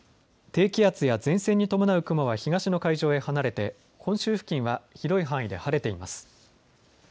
低気圧や前線に伴う雲は東の海上へ離れて本州付近は広い範囲で晴れています。